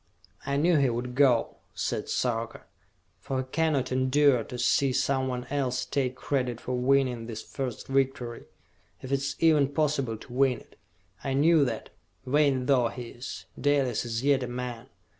"I knew he would go," said Sarka, "for he cannot endure to see someone else take credit for winning this first victory if it is even possible to win it! I knew that, vain though he is, Dalis is yet a man!"